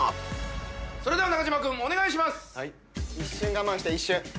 それでは中島君お願いします！